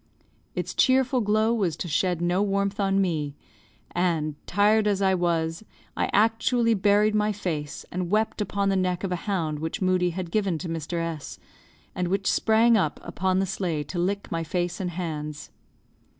Its cheerful glow was to shed no warmth on me, and, tired as I was, I actually buried my face and wept upon the neck of a hound which Moodie had given to Mr. S , and which sprang up upon the sleigh to lick my face and hands.